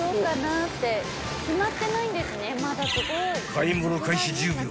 ［買い物開始１０秒］